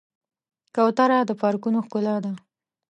کوتره د پارکونو ښکلا ده.